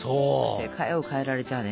世界を変えられちゃあね。